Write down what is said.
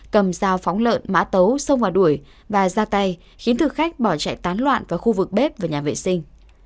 cầm dao phóng lợn mã tấu xông vào đuổi và ra tay khiến thực khách bỏ chạy tán loạn vào khu vực bếp và nhà vệ sinh